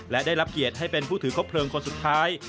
และได้รับเกียรติให้เป็นผู้ถือครบเพลิงคนสุดท้าย